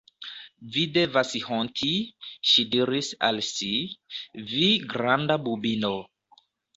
“Vi devas honti,” ŝi diris al si, “vi granda bubino!”